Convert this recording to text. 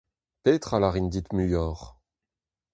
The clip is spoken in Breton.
Petra 'lârin dit muioc'h…